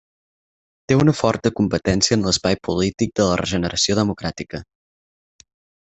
Té una forta competència en l'espai polític de la regeneració democràtica.